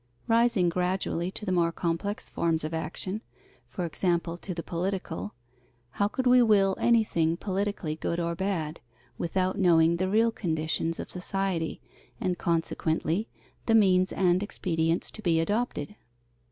Rising gradually to the more complex forms of action, for example to the political, how could we will anything politically good or bad, without knowing the real conditions of society, and consequently the means and expedients to be adopted?